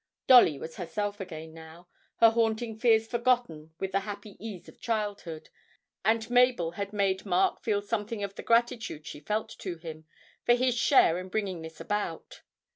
Dolly was herself again now, her haunting fears forgotten with the happy ease of childhood, and Mabel had made Mark feel something of the gratitude she felt to him for his share in bringing this about.